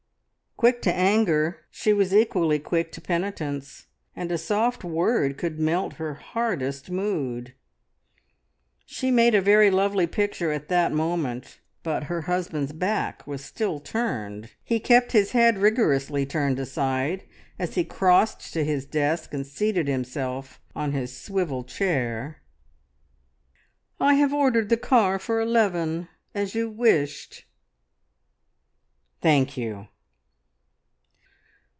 Quick to anger, she was equally quick to penitence, and a soft word could melt her hardest mood. She made a very lovely picture at that moment, but her husband's back was still turned. He kept his head rigorously turned aside as he crossed to his desk and seated himself on his swivel chair. "I have ordered the car for eleven, as you wished." "Thank you."